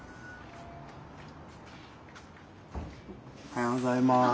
おはようございます。